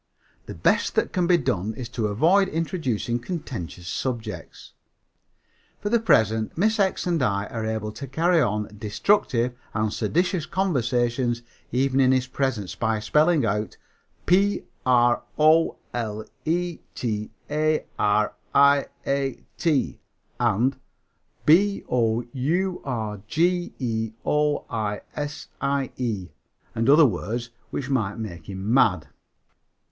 The best that can be done is to avoid introducing contentious subjects. For the present Miss X and I are able to carry on destructive and seditious conversations even in his presence by spelling out "p r o l e t a r i a t" and "b o u r g e o i s i e" and other words which might make him mad.